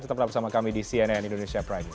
tetap bersama kami di cnn indonesia prime news